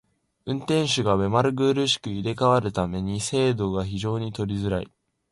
運手が目まぐるしく入れ替わる為に精度が非常に取りづらい。